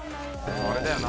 これだよな。